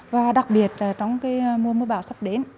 và đặc biệt là trong cái mưa mưa bào sắp đến